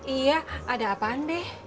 iya ada apaan be